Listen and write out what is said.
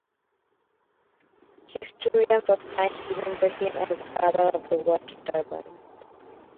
Historians of science remember him as the father of the water turbine.